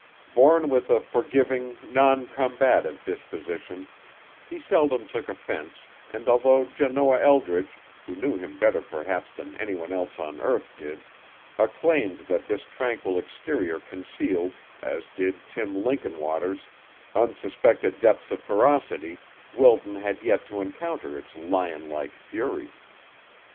Born with a forgiving, noncombative disposition he seldom took offence and although Janoah Eldridge, who knew him better perhaps than anyone else on earth did, acclaimed that this tranquil exterior concealed, as did Tim Linkinwater's, unsuspected depths of ferocity, Wilton had yet to encounter its lionlike fury.